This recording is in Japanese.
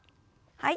はい。